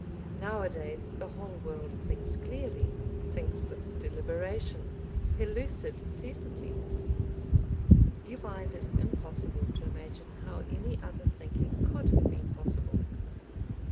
Nowadays the whole world thinks clearly, thinks with deliberation, pellucid certainties, you find it impossible to imagine how any other thinking could have been possible.